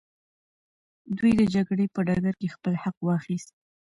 دوی د جګړې په ډګر کي خپل حق واخیست.